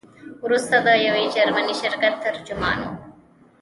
وروسته د یو جرمني شرکت ترجمان وو.